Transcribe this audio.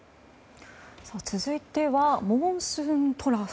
続いてはモンスーントラフ。